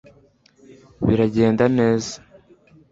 biragenda neza